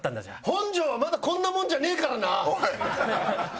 本庄はまだこんなもんじゃねえからな！